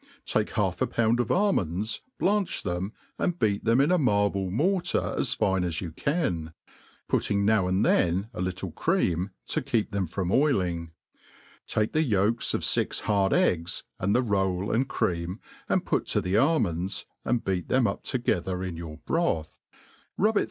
Take half a pound of almonds,^ blanch them, and beat them in a marble mortar as fine as you can, putting now and then a little cream to keep them from oiling; take the yolks of fix hard eggs, and the rol^and cream, and put to the almonds, and beat them up togethf r in your broth 1 rub K a it 13a THE ART.